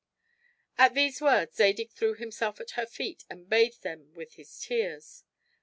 At these words Zadig threw himself at her feet and bathed them with his tears.